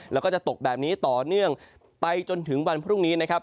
แล้วก็จะตกแบบนี้ต่อเนื่องไปจนถึงวันพรุ่งนี้นะครับ